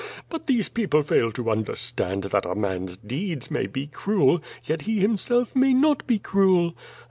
But these people fail to understand that a man's deeds may be cruel, yet he himself may not be cruel.